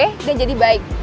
udah jadi baik